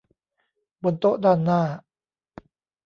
บนโต๊ะด้านหน้า